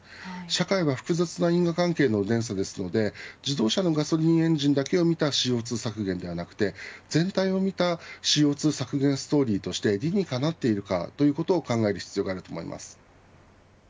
社会は複雑な因果関係の連鎖なので、自動車のガソリンエンジンだけを見たＣＯ２削減ではなく全体を見たＣＯ２削減ストーリーとして理にかなっているかを考える必要があります。